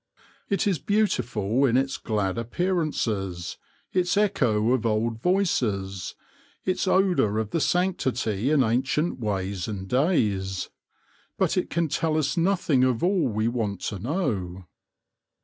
It is beautiful in its glad appearances, its echo of old voices, its odour of the sanctity in ancient ways and days. But it can tell us nothing of all we want to know.